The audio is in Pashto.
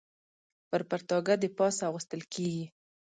پر پرتاګه د پاسه اغوستل کېږي.